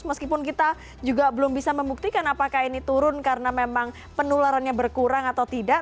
meskipun kita juga belum bisa membuktikan apakah ini turun karena memang penularannya berkurang atau tidak